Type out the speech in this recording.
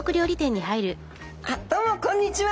あっどうもこんにちは！